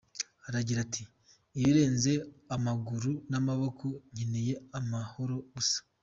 Aragira ati: "Ibirenze amaguru n’amaboko nkeneye amahoro gusa,.